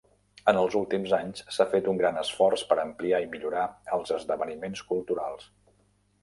En els últims anys, s'ha fet un gran esforç per ampliar i millorar els esdeveniments culturals.